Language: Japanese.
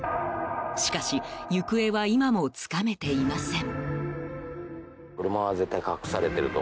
しかし行方は今もつかめていません。